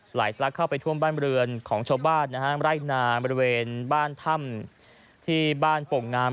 สลักเข้าไปท่วมบ้านเรือนของชาวบ้านนะฮะไร่นาบริเวณบ้านถ้ำที่บ้านโป่งงาม